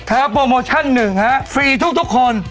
โปรโมชั่นหนึ่งฮะฟรีทุกคน